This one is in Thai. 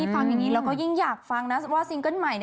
ฟังอย่างนี้แล้วก็ยิ่งอยากฟังนะว่าซิงเกิ้ลใหม่